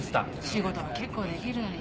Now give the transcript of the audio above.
仕事は結構できるのに。